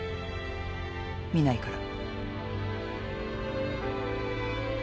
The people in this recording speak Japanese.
見ないから。